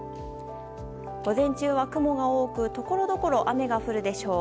午前中は雲が多くところどころ雨が降るでしょう。